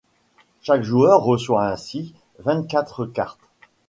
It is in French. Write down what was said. Chaque joueur reçoit ainsi vingt-quatre cartes.